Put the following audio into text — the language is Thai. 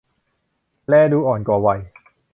แลดูอ่อนกว่าวัย